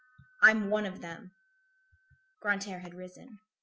I'm one of them." Grantaire had risen.